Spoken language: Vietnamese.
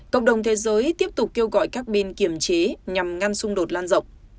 cộng đồng thế giới tiếp tục kêu gọi các bên kiểm chế nhằm ngăn xung đột lan rộng